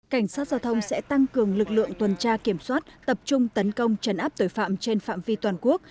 cảnh sát giao thông sẽ tăng cường lực lượng tuần tra kiểm soát tập trung tấn công trấn áp tội phạm trên phạm vi toàn quốc